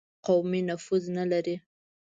قومي نفوذ نه لري.